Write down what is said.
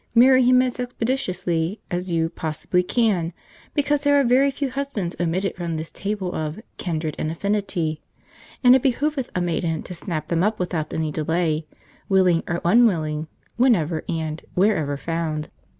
marry him as expeditiously. as you. possibly. can.. Because there are very few husbands omitted from this table of. Kindred and. Affinity.. And it behoveth a maiden to snap them up without any delay. willing or unwilling. whenever and. wherever found."